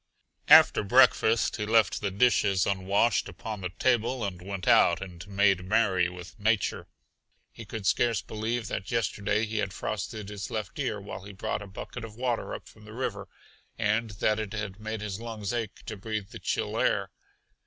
After breakfast he left the dishes un washed upon the table and went out and made merry with nature. He could scarce believe that yesterday he had frosted his left ear while he brought a bucket of water up from the river, and that it had made his lungs ache to breathe the chill air.